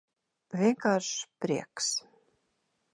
Vienkāršs prieks.